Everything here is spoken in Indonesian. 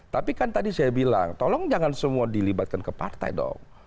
tapi kan tadi saya bilang tolong jangan semua dilibatkan ke partai dong